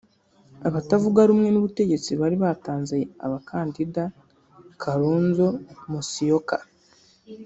Abatavuga rumwe n’ubutegetsi bari batanze abakandida Kalonzo Musyoka